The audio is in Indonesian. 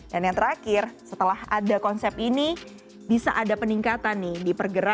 dan yang terakhir setelah ada konsep ini bisa ada peningkatan di pergerakan